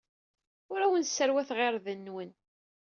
Ur awen-sserwateɣ irden-nwen.